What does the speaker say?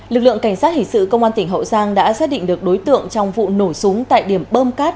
lực lượng cảnh sát hình sự công an tỉnh hậu giang đã xác định được đối tượng trong vụ nổ súng tại điểm bơm cát